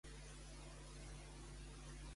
Posa la música a un volum menys alt.